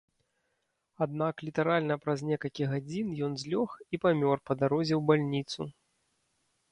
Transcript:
Аднак літаральна праз некалькі гадзін ён злёг і памёр па дарозе ў бальніцу.